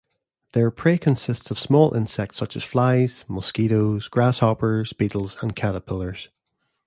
Their prey consists of small insects such as flies, mosquitoes, grasshoppers, beetles, and caterpillars.